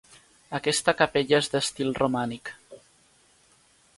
Aquesta capella és d'estil romànic.